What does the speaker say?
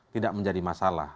tidak menjadi masalah